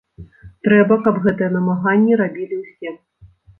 Трэба, каб гэтыя намаганні рабілі ўсе.